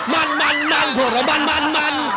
มันมันมันพวกเรามันมันมัน